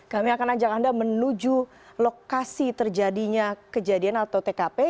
kami akan ajak anda menuju lokasi terjadinya kejadian atau tkp